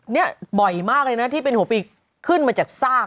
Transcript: เนี่ยบ่อยมากเลยนะที่เป็นหัวปีกขึ้นมาจากซาก